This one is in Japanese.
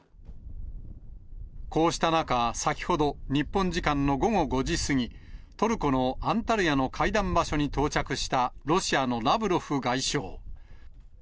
こうした中、先ほど日本時間の午後５時過ぎ、トルコのアンタルヤの会談場所に到着したロシアのラブロフ外相。